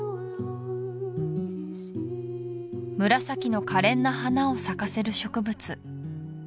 紫の可憐な花を咲かせる植物